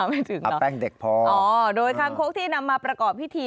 ไม่ถึงหรอโอ้โฮโดยคางคกที่นำมาประกอบพิธี